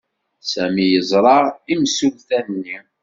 Sami yeẓra imsulta-nni.